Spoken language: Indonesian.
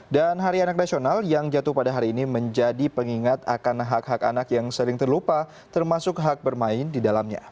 dan hari anak nasional yang jatuh pada hari ini menjadi pengingat akan hak hak anak yang sering terlupa termasuk hak bermain di dalamnya